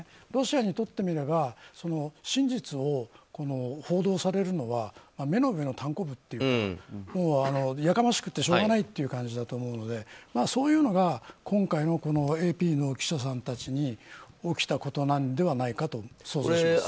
ロシアにとってみれば真実を報道されるのは目の上のたんこぶというかやかましくてしょうがないという感じだと思うのでそういうのが、今回のＡＰの記者さんたちに起きたことなのではないかと想像します。